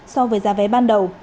so với giá vé ban đầu